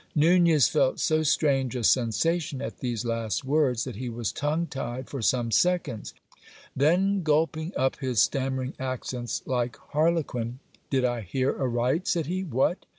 ( Nunez felt so strange a sensation at these last words, that he was tongue tied for some seconds. Then gulping up his stammering accents like harlequin, Did I hear aright? said he. What!